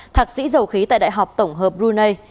thạc sĩ dầu khí tại đại học tổng hợp brunei